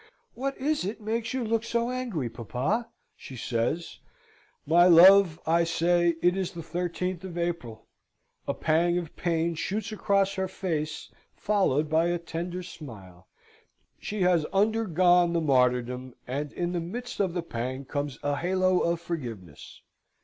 "What is it makes you look so angry, papa?" she says. "My love!" I say, "it is the thirteenth of April." A pang of pain shoots across her face, followed by a tender smile. She has undergone the martyrdom, and in the midst of the pang comes a halo of forgiveness.